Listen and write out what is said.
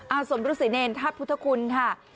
อาสมรุษิเนรทัพพุทธคุณค่ะ